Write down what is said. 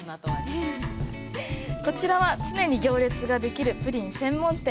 こちらは常に行列ができるプリン専門店。